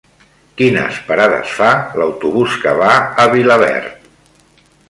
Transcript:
Quines parades fa l'autobús que va a Vilaverd?